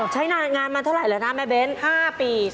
ใช้งานมาเท่าไรหรือนะแม่เบน๕ปี